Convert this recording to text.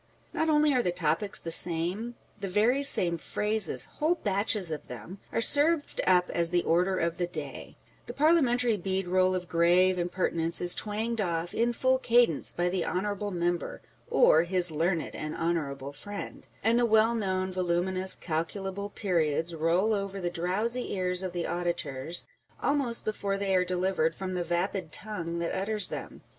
Not only are the topics the same ; the very same phrases â€" whole batches of them, â€" are served up as the Order of the Day ; the same parliamentary bead roll of grave imper tinence is twanged off, in full cadence, by the Honourable Member or his Learned and Honourable Friend ; and the well known, voluminous, calculable periods roll over the drowsy ears of the auditors, almost before they are delivered from the vapid tongue that utters them